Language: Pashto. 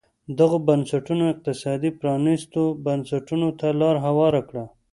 دغو بنسټونو اقتصادي پرانیستو بنسټونو ته لار هواره کړه.